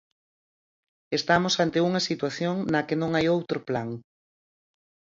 Estamos ante unha situación na que non hai outro plan.